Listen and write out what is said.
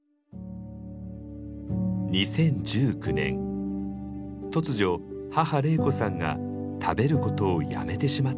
２０１９年突如母玲子さんが食べることをやめてしまったのです。